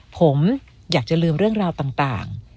ผมอยากจะลืมเรื่องราวต่าง